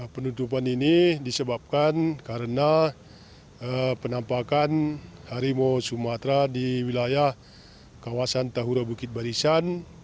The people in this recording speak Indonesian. penutupan ini disebabkan karena penampakan harimau sumatera di wilayah kawasan tahura bukit barisan